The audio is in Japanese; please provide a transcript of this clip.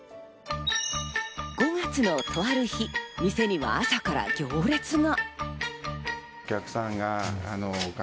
５月のとある日、店には朝から行列が。